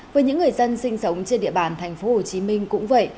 với những người dân sinh sống trên địa bàn thành phố hồ chí minh cũng vậy